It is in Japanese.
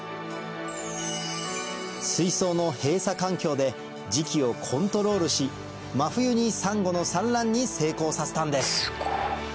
水槽の閉鎖環境で時期をコントロールし真冬にサンゴの産卵に成功させたんです